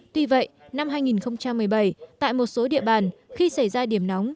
tuy vậy năm hai nghìn một mươi bảy tại một số địa bàn khi xảy ra điểm nóng